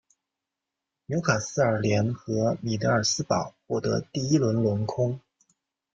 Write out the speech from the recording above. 纽卡斯尔联和米德尔斯堡获得第一轮轮空。